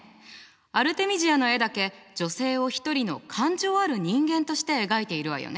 アルテミジアの絵だけ女性を一人の感情ある人間として描いているわよね。